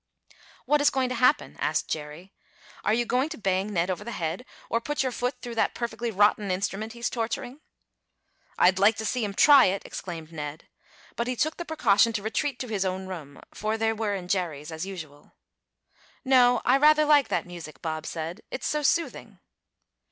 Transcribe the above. "What is going to happen?" asked Jerry. "Are you going to bang Ned over the head or put your foot through that perfectly rotten instrument he's torturing?" "I'd like to see him try it!" exclaimed Ned, but he took the precaution to retreat to his own room, for they were in Jerry's, as usual. "No, I rather like that music," Bob said. "It is so soothing."